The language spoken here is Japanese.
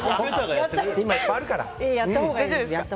やったほうがいいです。